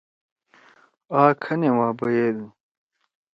آ کھنے وا بیَدو۔